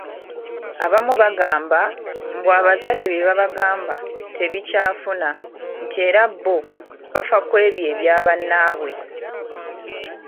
Abamu bagamba mbu abazadde bye babagamba tebikyafuna nti era bo bafa ku ebyo ebya bannaabwe.